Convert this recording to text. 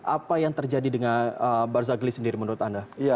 apa yang terjadi dengan barzagli sendiri menurut anda